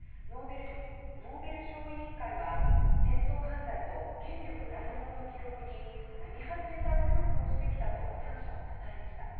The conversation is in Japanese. ノーベル賞委員会は戦争犯罪と権力乱用の記録に並外れた努力をしてきたと３者をたたえました。